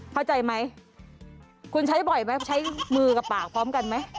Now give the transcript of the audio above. เข้าใจไหมคุณใช้บ่อยไหมใช้มือกับปากพร้อมกันไหม